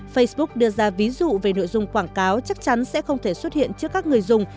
facebook đưa ra ví dụ về nội dung quảng cáo chắc chắn sẽ không thể xuất hiện trước các người dùng